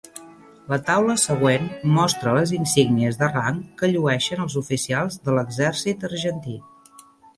La taula següent mostra les insígnies de rang que llueixen els oficials de l'exèrcit argentí.